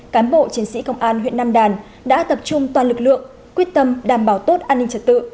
cán bộ chiến sĩ công an huyện nam đàn đã tập trung toàn lực lượng quyết tâm đảm bảo tốt an ninh trật tự